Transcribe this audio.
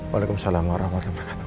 waalaikumsalam warahmatullahi wabarakatuh